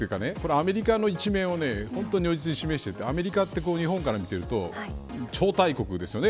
アメリカの一面を如実に示していてアメリカは日本から見ていると超大国ですよね。